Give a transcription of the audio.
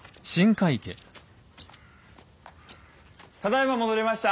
ただいま戻りました！